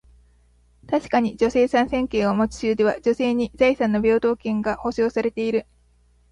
確かに、女性参政権を持つ州では、女性に財産の平等権が保証されている。